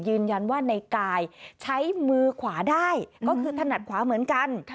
ยืนยันว่าในกายใช้มือขวาได้ก็คือถนัดขวาเหมือนกัน